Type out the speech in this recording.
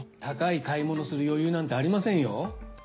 高い買い物する余裕なんてありませんよ。